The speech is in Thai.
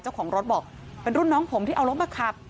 เจ้าของรถบอกเป็นรุ่นน้องผมที่เอารถมาขับ